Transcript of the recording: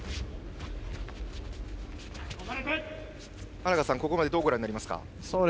荒賀さん、ここまでどうご覧になりますか？